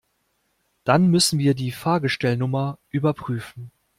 Dann müssen wir die Fahrgestellnummer überprüfen.